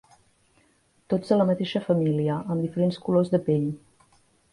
Tots a la mateixa família, amb diferents colors de pell.